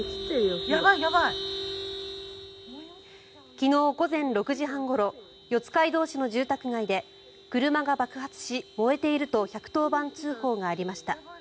昨日午前６時半ごろ四街道市の住宅街で車が爆発し、燃えていると１１０番通報がありました。